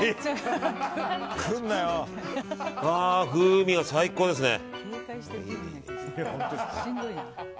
風味が最高ですね。